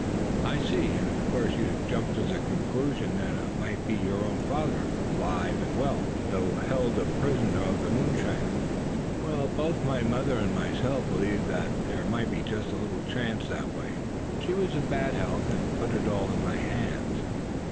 "I see; and of course you jumped to the conclusion that it might be your own father, alive and well, though held a prisoner of the moonshiners?" "Both my mother and myself believed there might be just a little chance that way. She was in bad health, and put it all in my hands.